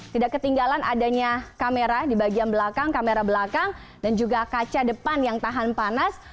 tidak ketinggalan adanya kamera di bagian belakang kamera belakang dan juga kaca depan yang tahan panas